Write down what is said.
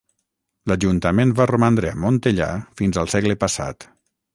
L'ajuntament va romandre a Montellà fins al segle passat.